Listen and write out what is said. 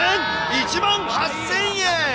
１万８０００円。